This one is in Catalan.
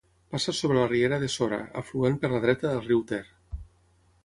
Passa sobre la riera de Sora, afluent per la dreta del riu Ter.